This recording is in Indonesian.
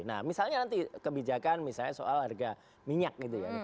nah misalnya nanti kebijakan misalnya soal harga minyak gitu ya